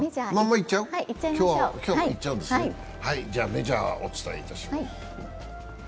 メジャーをお伝えします。